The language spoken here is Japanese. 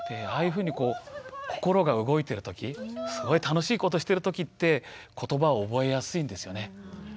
ああいうふうに心が動いてるときすごい楽しいことしてるときってことばを覚えやすいんですよね。